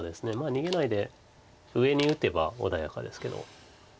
逃げないで上に打てば穏やかですけど。